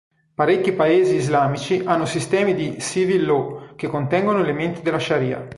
Parecchi paesi islamici hanno sistemi di "civil law" che contengono elementi della sharia.